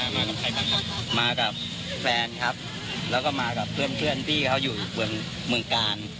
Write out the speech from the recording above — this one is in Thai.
มากับใครบ้างครับมากับแฟนครับแล้วก็มากับเพื่อนเพื่อนที่เขาอยู่เมืองกาล